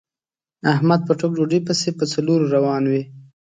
احمد په ټوک ډوډۍ پسې په څلور روان وي.